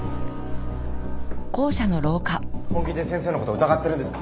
本気で先生のこと疑ってるんですか？